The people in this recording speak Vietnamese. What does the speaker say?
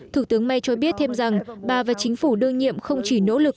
thủ tướng may cho biết thêm rằng bà và chính phủ đương nhiệm không chỉ nỗ lực